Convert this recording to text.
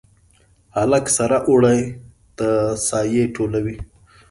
هلک سره اوړي ته سایې ټولوي